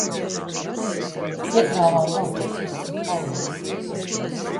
Iekrāvām vēl četrpadsmit paletes.